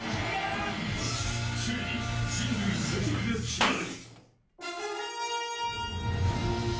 ついに人類最速が決まる。